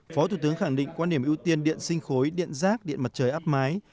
phó thủ tướng khẳng định quan điểm ưu tiên điện sinh khối điện rác điện mặt trời áp mái